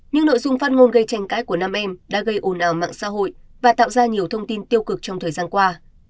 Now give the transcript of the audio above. những nội dung phát ngôn gây tranh cãi của nam em đã gây ồn ào mạng xã hội và tạo ra nhiều thông tin tiêu cực trong thời gian qua